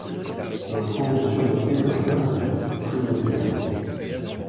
L'ensemble est surmonté d'un vaste fronton triangulaire.